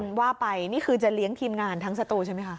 คุณว่าไปนี่คือจะเลี้ยงทีมงานทั้งสตูใช่ไหมคะ